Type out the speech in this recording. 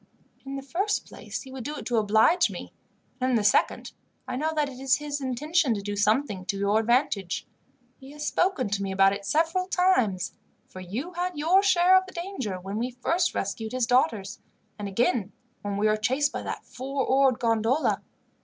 In the first place, he would do it to oblige me, and in the second, I know that it is his intention to do something to your advantage. He has spoken to me about it several times, for you had your share of the danger when we first rescued his daughters, and again when we were chased by that four oared gondola.